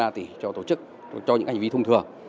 ba tỷ cho tổ chức cho những hành vi thông thường